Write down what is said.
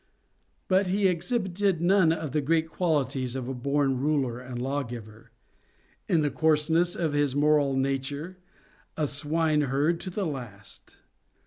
But he exhibited none of the great qualities of a born ruler and lawgiver; in the coarseness of his moral nature, a swineherd to the last.